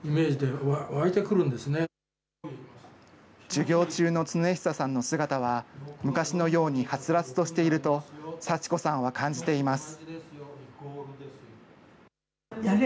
授業中の亘久さんの姿は、昔のように、はつらつとしていると祥子さんは感じています。